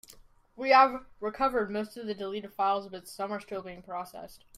We have recovered most of the deleted files, but some are still being processed.